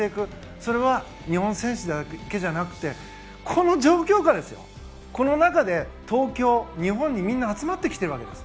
それは日本選手だけじゃなくてこの状況下でこの中で、東京、日本にみんな集まってきているんです。